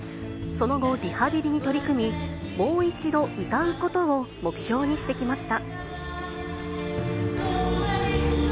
その後、リハビリに取り組み、もう一度歌うことを目標にしてきました。